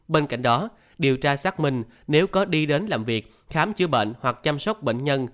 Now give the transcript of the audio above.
bên cạnh đó điều tra xác minh nếu có đi đến làm việc khám chữa bệnh hoặc chăm sóc bệnh nhân